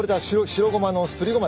白ごまのすりごまです。